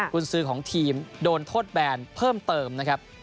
คุณซื้อของทีมโดนโทษแบนเพิ่มเติมนะครับ